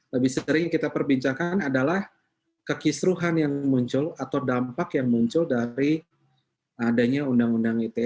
lebih sering kita perbincangkan adalah kekisruhan yang muncul atau dampak yang muncul dari adanya undang undang ite